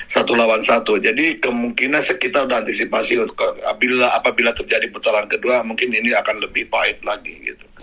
satu lawan satu jadi kemungkinan kita sudah antisipasi apabila terjadi putaran kedua mungkin ini akan lebih baik lagi gitu